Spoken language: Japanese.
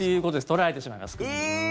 取られてしまいます。